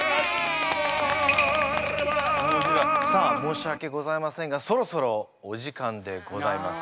さあ申しわけございませんがそろそろお時間でございます。